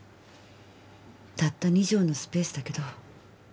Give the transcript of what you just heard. たった２畳のスペースだけど。